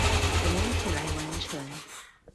我們一起來完成